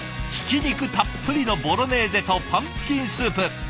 ひき肉たっぷりのボロネーゼとパンプキンスープ。